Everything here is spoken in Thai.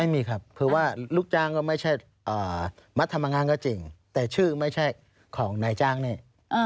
ไม่มีครับคือว่าลูกจ้างก็ไม่ใช่มัดทำงานก็จริงแต่ชื่อไม่ใช่ของนายจ้างแน่